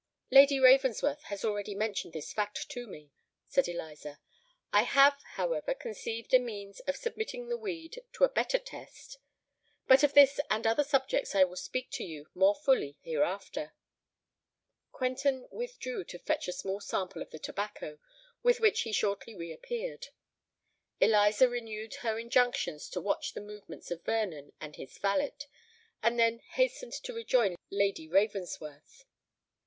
"Lady Ravensworth has already mentioned this fact to me," said Eliza: "I have, however, conceived a means of submitting the weed to a better test. But of this and other subjects I will speak to you more fully hereafter." Quentin withdrew to fetch a small sample of the tobacco, with which he shortly re appeared. Eliza renewed her injunctions to watch the movements of Vernon and his valet; and then hastened to rejoin Lady Ravensworth.